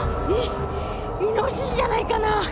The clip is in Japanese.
イイノシシじゃないかな。